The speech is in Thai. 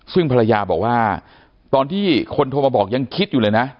ซึ่งภรรยาบอกว่าตอนที่คนโทรมาบอกยังคิดอยู่เลยนะ